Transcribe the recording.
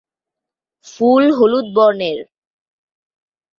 ফুল হলুদ বর্ণের।